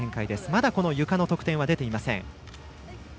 まだ、ゆかの得点は出ていません。